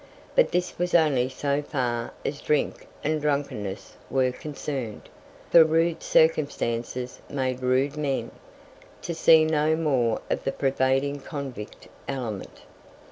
But this was only so far as drink and drunkenness were concerned; for rude circumstances made rude men, to say no more of the pervading convict element.